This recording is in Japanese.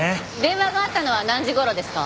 電話があったのは何時頃ですか？